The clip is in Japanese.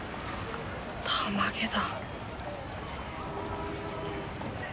たまげだ。